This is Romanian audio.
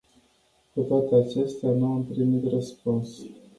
Cu toate acestea, nu am primit răspuns.